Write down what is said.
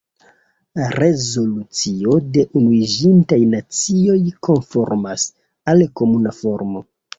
Rezolucio de Unuiĝintaj Nacioj konformas al komuna formo.